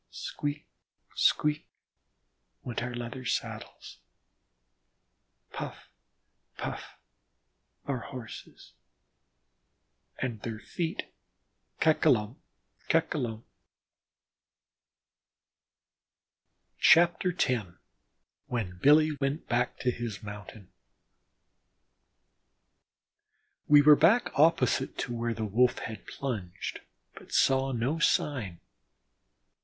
"Squeak, squeak," went our saddle leathers, "puff puff" our Horses, and their feet "ka ka lump, ka ka lump." X WHEN BILLY WENT BACK TO HIS MOUNTAIN We were back opposite to where the Wolf had plunged, but saw no sign.